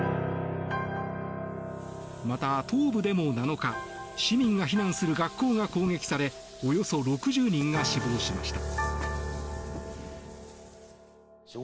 また、東部でも７日市民が避難する学校が攻撃されおよそ６０人が死亡しました。